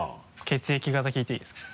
血液型聞いていいですか？